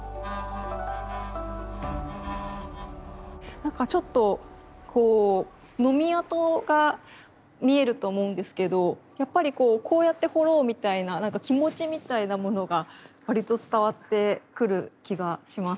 なんかちょっとこうノミ跡が見えると思うんですけどやっぱりこうこうやって彫ろうみたいななんか気持ちみたいなものが割と伝わってくる気がします。